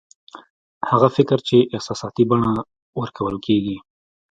هغه فکر چې احساساتي بڼه ورکول کېږي